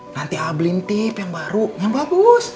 nanti ablin tip yang baru yang bagus